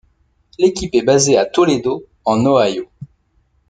L'équipe est basée à Toledo en Ohio.